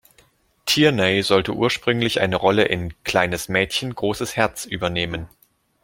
Tierney sollte ursprünglich eine Rolle in "Kleines Mädchen, großes Herz" übernehmen.